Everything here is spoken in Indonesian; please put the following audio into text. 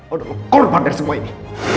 udah mengorban dari semua ini